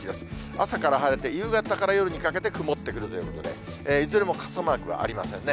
朝から晴れて、夕方から夜にかけて、曇ってくるということで、いずれも傘マークはありませんね。